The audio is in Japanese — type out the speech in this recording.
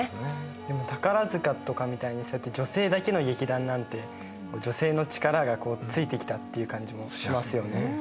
でも宝塚とかみたいにそうやって女性だけの劇団なんて女性の力がついてきたっていう感じもしますよね。